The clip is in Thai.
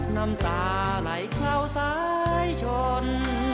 น้ำตาไหลเข้าซ้ายชน